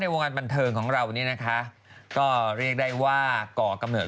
กลัวว่าผมจะต้องไปพูดให้ปากคำกับตำรวจยังไง